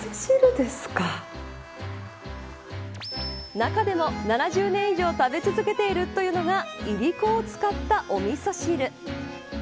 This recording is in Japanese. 中でも７０年以上食べ続けているというのがいりこを使ったおみそ汁。